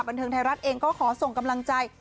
บันเทิงไทยรัฐเองก็ขอส่งกำลังใจ